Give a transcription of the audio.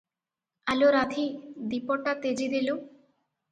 ଆଲୋ ରାଧୀ! ଦୀପଟା ତେଜି ଦେଲୁ ।